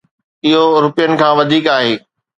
اهو روپين کان وڌيڪ آهي.